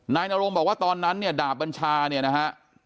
นายนรงบอกว่าตอนนั้นเนี่ยดาบบัญชาเนี่ยนะฮะ